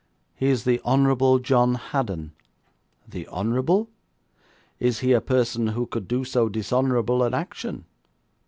'He is the Honourable John Haddon.' 'The Honourable! Is he a person who could do so dishonourable an action?'